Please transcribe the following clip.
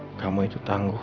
hai kamu itu tangguh